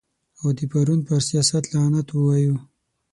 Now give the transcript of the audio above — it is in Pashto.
او د پرون پر سیاست لعنت ووایو.